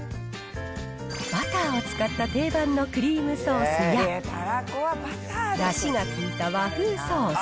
バターを使った定番のクリームソースや、だしが効いた和風ソース、